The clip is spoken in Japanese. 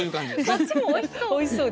こっちもおいしそう。